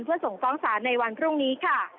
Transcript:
เพื่อส่งฟ้องศาลในวันพรุ่งนี้ค่ะ